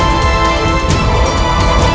ini adalah kisosnya